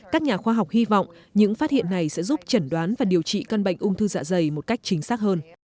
các nhà khoa học hy vọng những phát hiện này sẽ giúp chẩn đoán và điều trị căn bệnh ung thư dạ dày một cách chính xác hơn